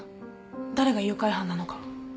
誰が誘拐犯なのか。